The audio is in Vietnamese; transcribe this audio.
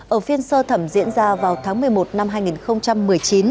ở phiên sơ thẩm diễn ra vào tháng một mươi một năm hai nghìn một mươi chín